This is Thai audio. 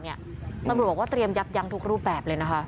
ตำรวจบอกว่าเตรียมยับยั้งทุกรูปแบบเลยนะคะ